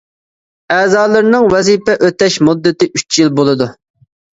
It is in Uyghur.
ئەزالىرىنىڭ ۋەزىپە ئۆتەش مۇددىتى ئۈچ يىل بولىدۇ.